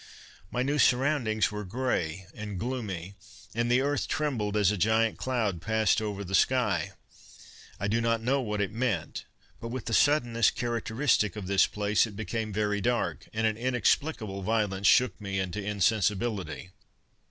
"My new surroundings were grey and gloomy, and the earth trembled as a giant cloud passed over the sky. I do not know what it meant, but with the suddenness characteristic of this place, it became very dark, and an inexplicable violence shook me into insensibility.